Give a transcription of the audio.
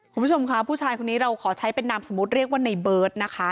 คุณผู้ชมค่ะผู้ชายคนนี้เราขอใช้เป็นนามสมมุติเรียกว่าในเบิร์ตนะคะ